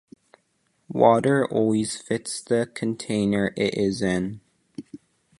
Water always fits the container it is in.